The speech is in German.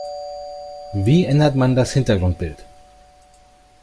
Wie ändert man das Hintergrundbild?